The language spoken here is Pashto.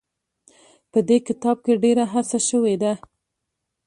په دې کتاب کې ډېره هڅه شوې ده.